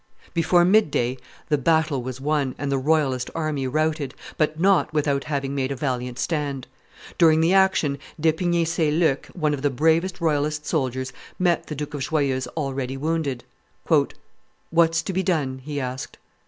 Before midday the battle was won and the royalist army routed, but not without having made a valiant stand. During the action, D'Epinay Saint Luc, one of the bravest royalist soldiers, met the Duke of Joyeuse already wounded. "What's to be done?" he asked.